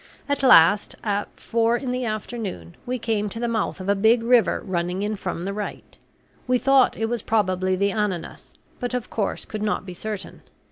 At last, at four in the afternoon, we came to the mouth of a big river running in from the right. We thought it was probably the Ananas, but, of course, could not be certain.